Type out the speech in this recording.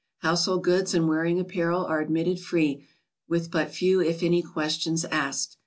Flousehold goods and wearing apparel are admitted 6 free, with but few if any questions asked.